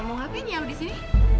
mau ngapain nya disini